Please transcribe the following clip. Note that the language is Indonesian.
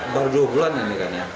baru dua bulan ini kan ya